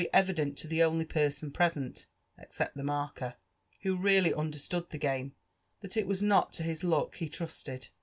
evi dent to the only person present (except the marker] who really under stood the game, that it was not to his luck he trusted.